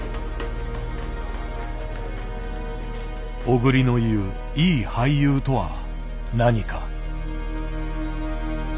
小栗の言う「いい俳優」とは何か。